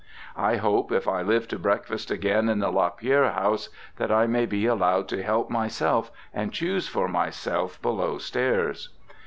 I hope, if I live to breakfast again in the Lapierre House, that I may be allowed to help myself and choose for myself below stairs.